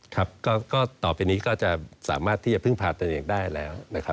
ครับก็ต่อไปนี้ก็จะสามารถที่จะพึ่งพาตนเองได้แล้วนะครับ